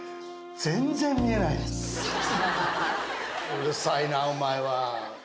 うるさいなお前は。